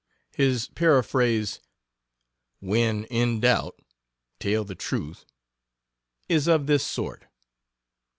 His paraphrase, "When in doubt, tell the truth," is of this sort.